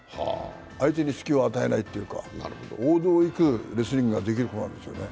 相手に隙を与えないというか、王道をいくレスリングができる選手なんですよ。